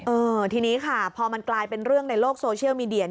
เออทีนี้ค่ะพอมันกลายเป็นเรื่องในโลกโซเชียลมีเดีย